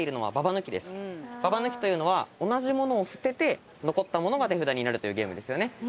ババ抜きというのは同じものを捨てて残ったものが手札になるというゲームですよね。